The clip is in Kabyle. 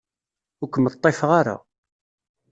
Ur kem-ḍḍifeɣ ara.